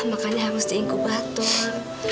makanya harus diingkubat doan